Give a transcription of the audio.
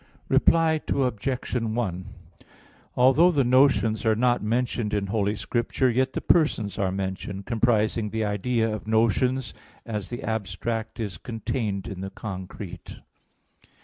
Reply Obj. 1: Although the notions are not mentioned in Holy Scripture, yet the persons are mentioned, comprising the idea of notions, as the abstract is contained in the concrete.